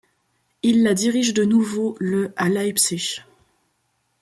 Il la dirige de nouveau le à Leipzig.